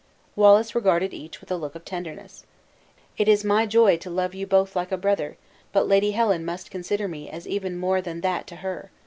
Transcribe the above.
Wallace regarded each with a look of tenderness. "It is my joy to love you both like a brother, but Lady Helen must consider me as even more than that to her.